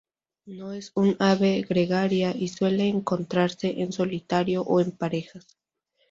No es un ave gregaria, y suele encontrarse en solitario o en parejas.